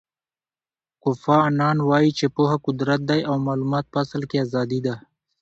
کوفی انان وایي چې پوهه قدرت دی او معلومات په اصل کې ازادي ده.